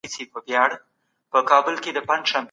عمل د وينا تصديق کوي.